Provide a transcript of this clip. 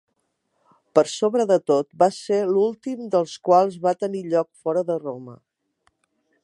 Per sobre de tot, va ser l'últim dels quals va tenir lloc fora de Roma.